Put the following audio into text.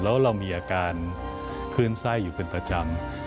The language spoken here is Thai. แล้วเรามีอาการขึ้นไส้อยู่เป็นประจำ